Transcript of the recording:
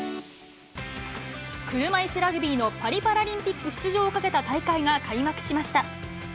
車いすラグビーのパリパラリンピック出場をかけた大会が開幕しました。